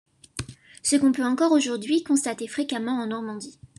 Ce qu'on peut encore aujourd'hui constater fréquemment en Normandie.